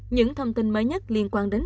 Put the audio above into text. những thông tin mới nhất liên quan đến